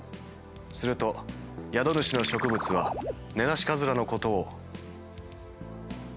すると宿主の植物はネナシカズラのことを。